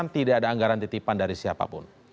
namun tidak ada anggaran ditipan dari siapapun